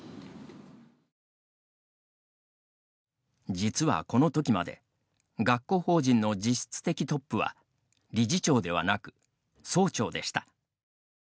実は、このときまで学校法人の実質的トップは理事長ではなく、総長でした。